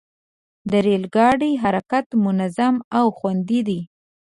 د ریل ګاډي حرکت منظم او خوندي دی.